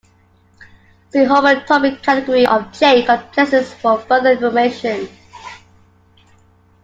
See Homotopy category of chain complexes for further information.